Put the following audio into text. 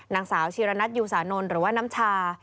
นางสาวชีรณัทยูสานนท์หรือว่าน้ำชา